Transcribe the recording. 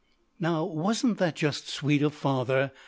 "Now wasn't that just sweet of father?"